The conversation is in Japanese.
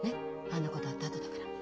あんなことあったあとだから。